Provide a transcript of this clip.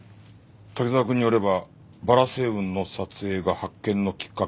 「滝沢君によればバラ星雲の撮影が発見のきっかけになったという」